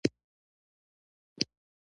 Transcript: د نور کتاب کاتب بادشاه خان پښتون دی.